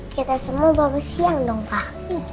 kita semua bagus siang dong pak